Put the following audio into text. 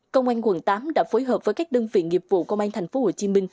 công an quận tám đã phối hợp với các đơn vị nghiệp vụ công an tp hcm